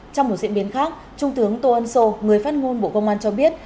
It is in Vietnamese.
trong một diễn biến khác trung tướng tô ân sô người phát ngôn bộ công an cho biết